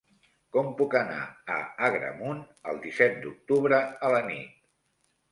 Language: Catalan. Com puc anar a Agramunt el disset d'octubre a la nit?